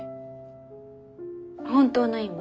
本当の意味？